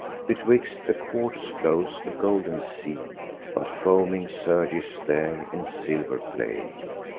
Betwixt the quarters flows a golden sea; But foaming surges there in silver play.